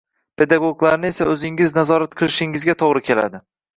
pedagoglarni esa o‘zingiz nazorat qilishingizga to‘g‘ri keladi.